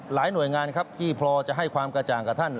หน่วยงานครับที่พอจะให้ความกระจ่างกับท่าน